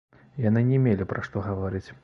Яны не мелі пра што гаварыць.